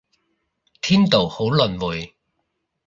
天道好輪迴